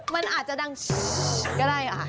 มันอาจจะดังก็ได้ค่ะ